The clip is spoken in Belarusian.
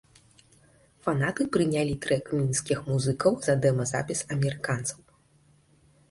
Фанаты прынялі трэк мінскіх музыкаў за дэма-запіс амерыканцаў.